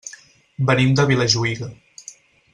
Venim de Vilajuïga.